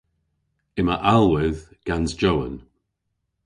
Yma alhwedh gans Jowan.